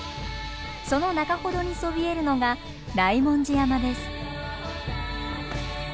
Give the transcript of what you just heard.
その中ほどにそびえるのが大文字山です。